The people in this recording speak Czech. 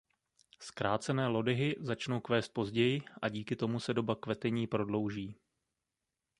Zkrácené lodyhy začnou kvést později a díky tomu se doba kvetení prodlouží.